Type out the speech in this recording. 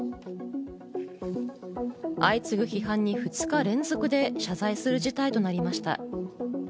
相次ぐ批判に２日連続で謝罪する事態となりました。